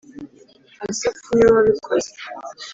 Asafu ni we wabikoze